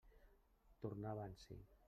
Tornava en si.